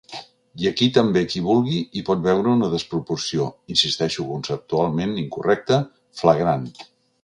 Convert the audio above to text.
I aquí també qui vulgui hi pot veure una desproporció –insisteixo, conceptualment incorrecta– flagrant.